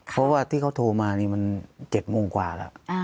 เพราะที่เขาโทรมาเนี่ยมันเก็บมุ่งกว่าระ